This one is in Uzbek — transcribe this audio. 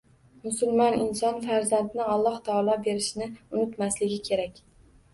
Musulmon inson farzandni Alloh taolo berishini unutmasligi kerak.